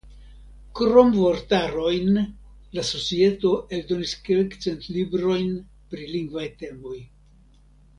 Krom vortarojn la societo eldonis kelkcent librojn pri lingvaj temoj.